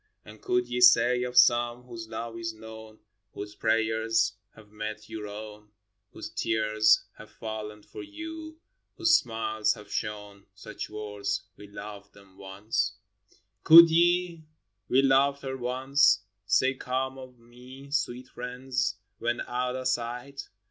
And could ye say of some, whose love is known, Whose prayers have met your own, Whose tears have fallen for you, whose smiles have shone, Such words, "We loved them once" f Could ye, " We loved her once," Say calm of me, sweet friends, when out of sight?